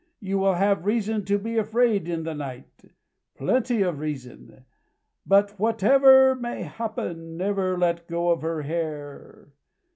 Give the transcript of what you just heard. You will have reason to be afraid in the night plenty of reason. But whatever may happen, never let go of her hair.